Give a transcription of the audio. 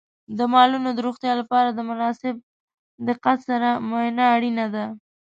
د مالونو د روغتیا لپاره د مناسب دقت سره معاینه اړینه ده.